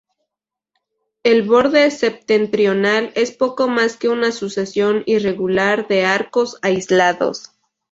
El borde septentrional es poco más que una sucesión irregular de arcos aislados.